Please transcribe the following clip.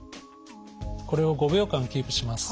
これを５秒間キープします。